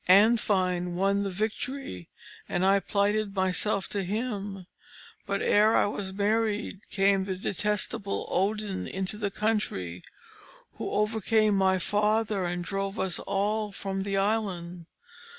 Andfind won the victory, and I plighted myself to him. But ere I was married came the detestable Odin into the country, who overcame my father, and drove us all from the island.